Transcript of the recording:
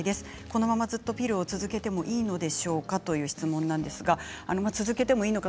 このままずっとピルを続けてもいいのでしょうかという質問がきています。